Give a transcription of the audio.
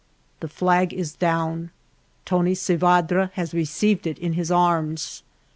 The flag is down ; Tony Sevadra has received it in his arms.